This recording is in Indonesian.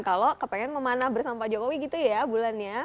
kalau kepengen memanah bersama pak jokowi gitu ya bulannya